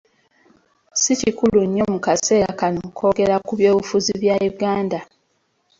Si kikulu nnyo mu kaseera kano okwogera ku byobufuzi bya Uganda.